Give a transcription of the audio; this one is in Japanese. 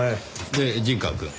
で陣川くん。